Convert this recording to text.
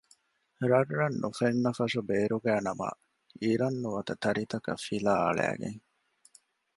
ރަށްރަށް ނުފެންނަފަށު ބޭރުގައި ނަމަ އިރަށް ނުވަތަ ތަރިތަކަށް ފިލާ އަޅައިގެން